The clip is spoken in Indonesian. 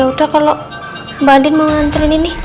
yaudah kalo mbak adin mau nganterin ini